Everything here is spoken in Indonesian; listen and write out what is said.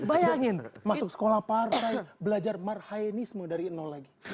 bayangin masuk sekolah partai belajar marhainisme dari nol lagi